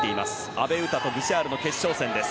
阿部詩とブシャールの決勝戦です。